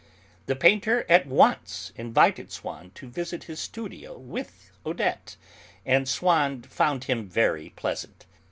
The painter at once invited Swann to visit his studio with Odette, and Swann found him very pleasant.